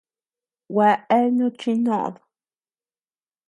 Gua eanu chi noʼod.